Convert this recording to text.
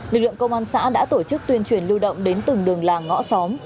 lực lượng công an xã đã tổ chức tuyên truyền lưu động đến từng đường làng ngõ xóm